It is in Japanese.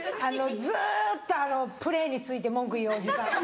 ずっとプレーについて文句言うおじさん。